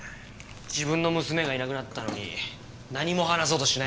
自分の娘がいなくなったのに何も話そうとしないなんて。